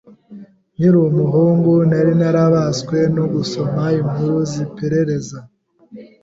Nkiri umuhungu, nari narabaswe no gusoma inkuru ziperereza.